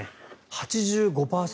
８５％。